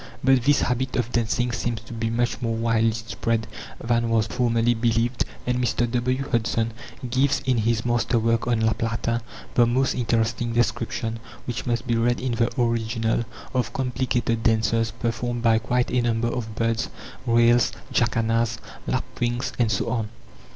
But this habit of dancing seems to be much more widely spread than was formerly believed, and Mr. W. Hudson gives in his master work on La Plata the most interesting description, which must be read in the original, of complicated dances, performed by quite a number of birds: rails, jacanas, lapwings, and so on.